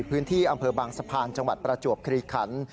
พื้นที่อำเภอบางสะพานจังหวัดประจวบคลีขัน